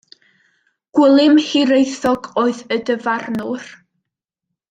Gwilym Hiraethog oedd y dyfarnwr.